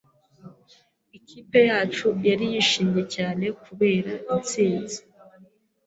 Ikipe yacu yari yishimye cyane kubera intsinzi.